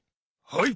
はい！